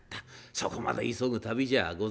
そこまで急ぐ旅じゃあございません。